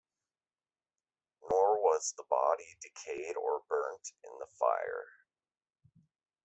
Nor was the body decayed or burnt in the fire.